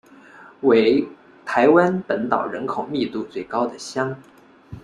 为台湾本岛人口密度最高的乡。